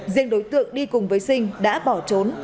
riêng đối tượng đi cùng với sinh đã bỏ trốn